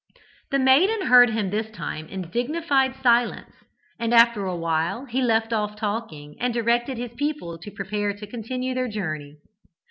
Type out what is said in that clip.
"The maiden heard him this time in dignified silence, and after a while he left off talking, and directed his people to prepare to continue their journey.